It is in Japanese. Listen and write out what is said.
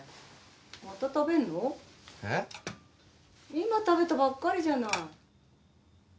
今食べたばっかりじゃない。